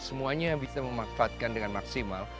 semuanya bisa memanfaatkan dengan maksimal